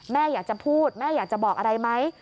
แม่อยากจะพูดแม่อยากจะบอกอะไรไหม